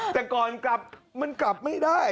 แต่ก่อนกลับมันกลับไม่ได้